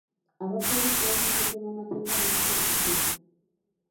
Abapoliisi balina okukuuma amateeka n'obutebenkevu.